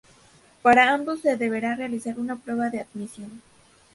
Para ambos se deberá realizar una prueba de admisión.